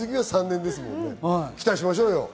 期待しましょう。